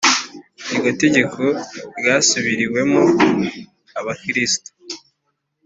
iryo tegeko ryasubiriwemo abakristo